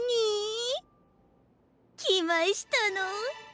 きましたの。